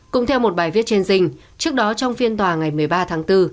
cũng theo một bài viết trên rình trước đó trong phiên tòa ngày một mươi ba tháng bốn